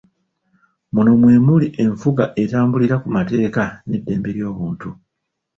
Muno mwemuli enfuga etambulira ku mateeka n'eddembe ly'obuntu.